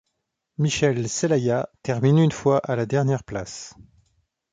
Michel Celaya termine une fois à la dernière place.